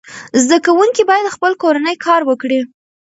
زده کوونکي باید خپل کورنی کار وکړي.